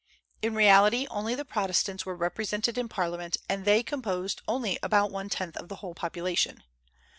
In reality, only the Protestants were represented in Parliament, and they composed only about one tenth of the whole population.